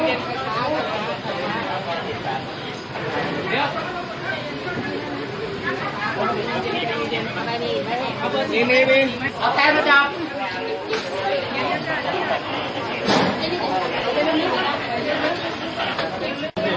ราโมงราโมง